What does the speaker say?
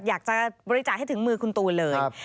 อยากจะบริจาคให้ถึงมือคุณตูนเลย